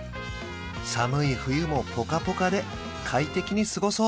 寒い冬もぽかぽかで快適に過ごそう